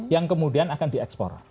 yang kemudian akan diekspor